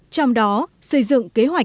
trong đó xây dựng kế hoạch